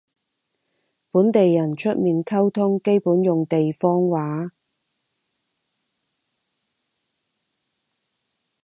本地人出面溝通基本用地方話